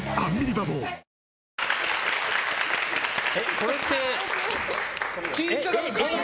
これって。